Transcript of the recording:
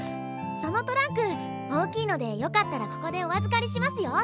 そのトランク大きいのでよかったらここでお預かりしますよ。